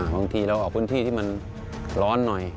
บางทีเราออกพื้นที่ที่มันร้อนหน่อย